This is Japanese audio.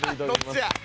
どっちや！